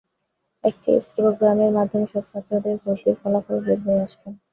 একটি প্রোগ্রামের মাধ্যমে সব ছাত্রের ভর্তির ফলাফল বের হয়ে আসবে।